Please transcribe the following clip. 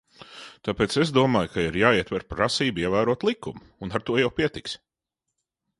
Tāpēc es domāju, ka ir jāietver prasība ievērot likumu, un ar to jau pietiks.